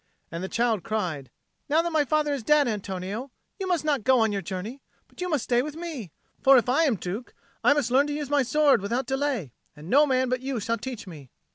And the child cried, "Now that my father is dead, Antonio, you must not go on your journey, but you must stay with me. For if I am Duke, I must learn to use my sword without delay, and no man but you shall teach me."